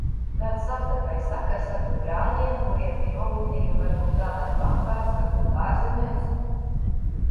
Kāds savstarpējs sakars var būt brāļiem, kuriem bija noguldījumi varbūt kādās bankās, varbūt ārzemēs?